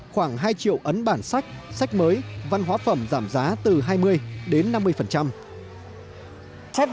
khoảng hai triệu ấn bản sách